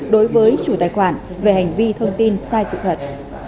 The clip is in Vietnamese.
đối với chủ tài khoản về hành vi thông tin sai sự thật